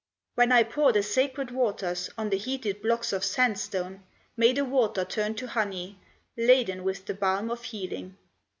When I pour the sacred waters On the heated blocks of sandstone, May the water turn to honey Laden with the balm of healing.